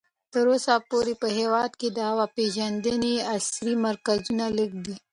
تر اوسه پورې په هېواد کې د هوا پېژندنې عصري مرکزونه لږ دي.